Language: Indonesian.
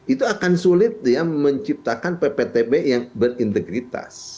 itu akan sulit dia menciptakan pptb yang berintegritas